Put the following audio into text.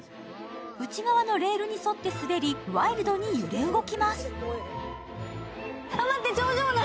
内側のレールに沿って滑りワイルドに揺れ動きます。